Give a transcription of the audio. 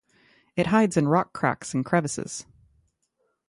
It hides in rock cracks and crevices.